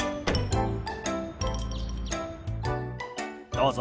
どうぞ。